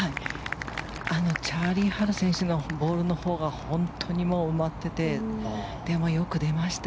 チャーリー・ハル選手のボールのほうが埋まっていてでも、よく出ました。